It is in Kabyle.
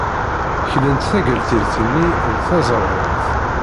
Klant tagertilt-nni d taẓerwalt.